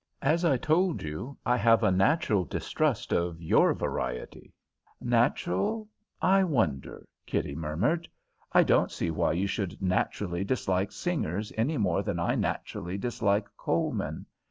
As I told you, I have a natural distrust of your variety." "Natural, I wonder?" Kitty murmured. "I don't see why you should naturally dislike singers any more than I naturally dislike coal men.